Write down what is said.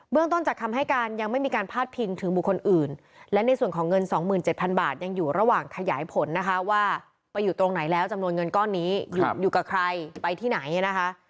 ต้นจากคำให้การยังไม่มีการพาดพิงถึงบุคคลอื่นและในส่วนของเงิน๒๗๐๐บาทยังอยู่ระหว่างขยายผลนะคะว่าไปอยู่ตรงไหนแล้วจำนวนเงินก้อนนี้อยู่กับใครไปที่ไหนนะคะ